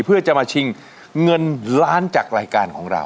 เพื่อจะมาชิงเงินล้านจากรายการของเรา